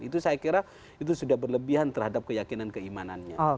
itu saya kira itu sudah berlebihan terhadap keyakinan keimanannya